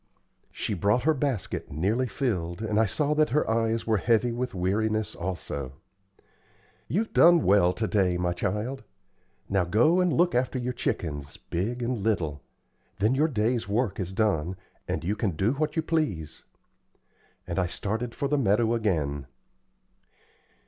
She brought her basket, nearly filled, and I saw that her eyes were heavy with weariness also. "You've done well to day, my child. Now go and look after your chickens, big and little. Then your day's work is done, and you can do what you please;" and I started for the meadow again.